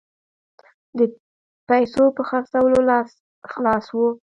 د پیسو په خرڅولو لاس خلاص وو.